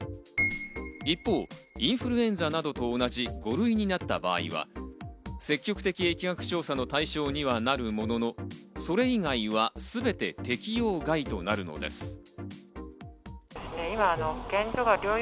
一方、インフルエンザなどと同じ５類になった場合は、積極的疫学調査の対象にはなるものの、それ以外はすべて適用外となるのです。